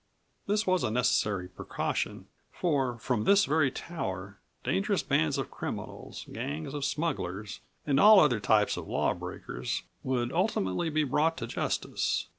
This was a necessary precaution for, from this very tower, dangerous bands of criminals, gangs of smugglers, and all other types of law breakers would ultimately be brought to justice.